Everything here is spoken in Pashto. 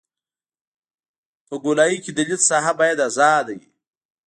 په ګولایي کې د لید ساحه باید ازاده وي